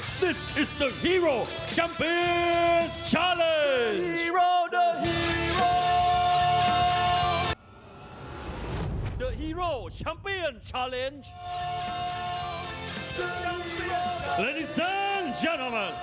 นี่คือเข้าถึงเชามปี้เช้าเบ้ย